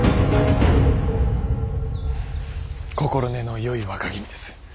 心根のよい若君です。